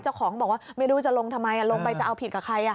เจ้าของบอกว่าไม่รู้จะลงทำไมลงไปจะเอาผิดกับใคร